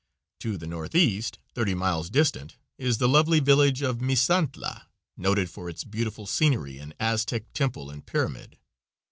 To the northeast, thirty miles distant, is the lovely village of Misantla, noted for its beautiful scenery and Aztec temple and pyramid.